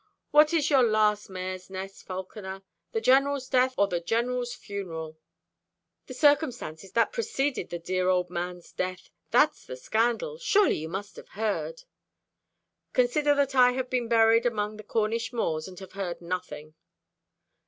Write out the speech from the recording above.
"What is your last mare's nest, Falconer? The General's death, or the General's funeral?" "The circumstances that preceded the dear old man's death. That's the scandal. Surely you must have heard " "Consider that I have been buried among the Cornish moors, and have heard nothing."